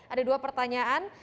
ada dua pertanyaan